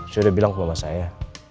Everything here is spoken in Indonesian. sudah bilang ke mama saya